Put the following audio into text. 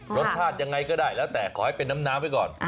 รสชาติยังไงก็ได้แล้วแต่ขอให้เป็นน้ำไว้ก่อน